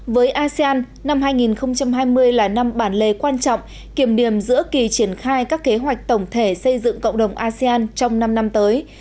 với asean năm hai nghìn hai mươi là năm bản lề quan trọng kiểm điểm giữa kỳ triển khai các kế hoạch tổng thể xây dựng cộng đồng asean trong năm năm tới